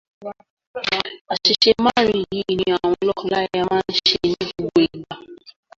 Àṣìṣe márùn-ún yìí ni àwọn lọ́kọláyà máa ńṣe ní gbogbo ìgbà